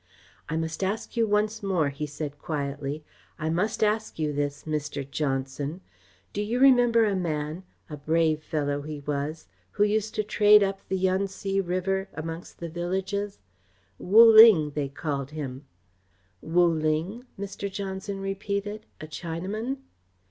"I must ask you once more," he said quietly, "I must ask you this Mr. Johnson. Do you remember a man a brave fellow he was who used to trade up the Yun Tse River amongst the villages? Wu Ling, they called him." "Wu Ling?" Mr. Johnson repeated. "A Chinaman?"